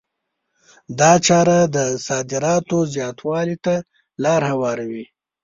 دا چاره د صادراتو زیاتوالي ته لار هواروي.